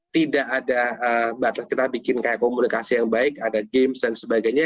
tidak ada batas kita bikin kayak komunikasi yang baik ada games dan sebagainya